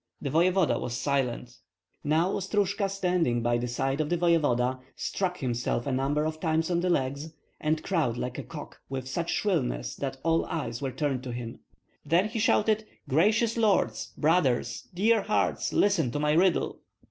The voevoda was silent. Now Ostrojka, standing by the side of the voevoda, struck himself a number of times on the legs, and crowed like a cock with such shrillness that all eyes were turned to him. Then he shouted, "Gracious lords! brothers, dear hearts! listen to my riddle."